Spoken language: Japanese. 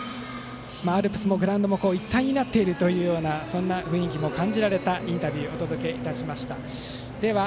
アルプスもグラウンドも一体になっているというような雰囲気も感じられたインタビューをお届けいたしました。